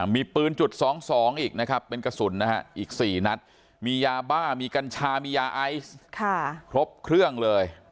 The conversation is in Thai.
มีปืนจุด๒๒อีกนะครับเป็นกระสุนนะฮะอีก๔นัดมียาบ้ามีกัญชามียาไอซ์ครบเครื่องเลย